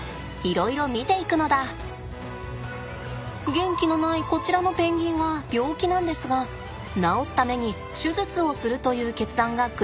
元気のないこちらのペンギンは病気なんですが治すために手術をするという決断が下されました。